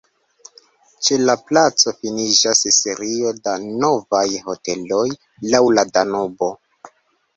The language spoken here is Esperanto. Ĉe la placo finiĝas serio da novaj hoteloj laŭ la Danubo.